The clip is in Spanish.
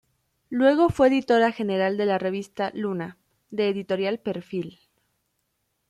Luego fue editora general de la revista "Luna", de Editorial Perfil.